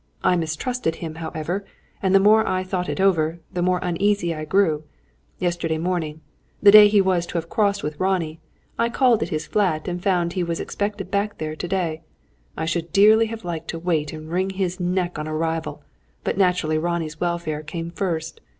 I mistrusted him, however, and the more I thought it over, the more uneasy I grew. Yesterday morning, the day he was to have crossed with Ronnie, I called at his flat and found he was expected back there to day. I should dearly have liked to wait and wring his neck on arrival, but naturally Ronnie's welfare came first.